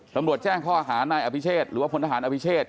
ตำรวจแจ้งข้อหานายอภิเชษหรือว่าพลทหารอภิเชษ